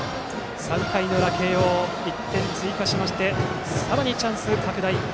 ３回の裏、慶応は１点を追加してさらにチャンス拡大。